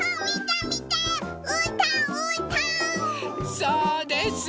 そうです。